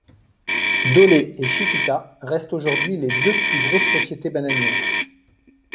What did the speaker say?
Dole et Chiquita restent aujourd'hui les deux plus grosses sociétés bananières.